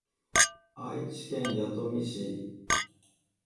愛知県弥富市